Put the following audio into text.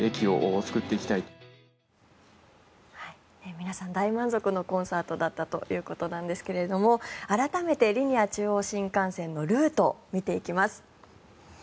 皆さん大満足のコンサートだったということなんですが改めてリニア中央新幹線のルートを見ていきます。